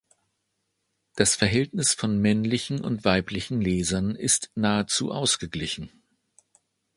Das Verhältnis von männlichen und weiblichen Lesern ist nahezu ausgeglichen.